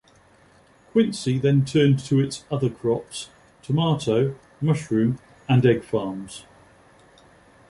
Quincy then turned to its other crops, tomato, mushroom and egg farms.